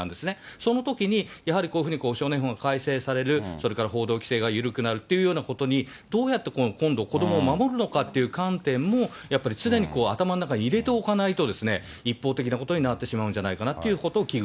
そのときにやはりこういうふうに少年法が改正される、それから報道規制が緩くなるっていうことにどうやって今度子どもを守るのかっていう観点も、やっぱり常に頭の中に入れておかないと、一方的なことになってしまうんじゃないかなということを危惧